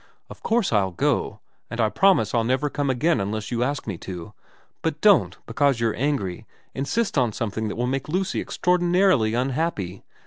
Of course I'll go, and I promise I'll never come again unless you ask me to. But don't, because you're angry, insist on something that will make Lucy extraordinarily unhappy.